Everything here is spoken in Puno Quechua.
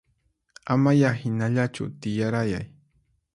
Amaya hinallachu tiyarayay